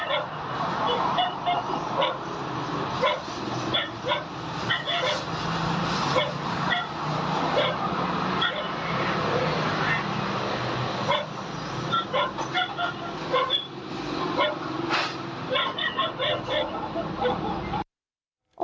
ชั้นผู้ใหญ่แล้ว